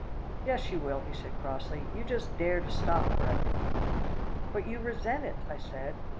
"Yes, you will," he said crossly. "You just dare to stop correcting me." "But you resent it," I said.